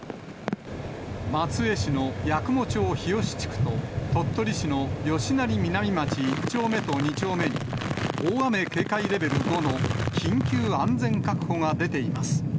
松江市の八雲町日吉地区と、鳥取市の吉成南町１丁目と２丁目に大雨警戒レベル５の緊急安全確保が出ています。